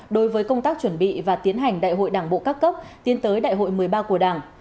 đối với công tác chuẩn bị và tiến hành đại hội đảng bộ các cấp tiến tới đại hội một mươi ba của đảng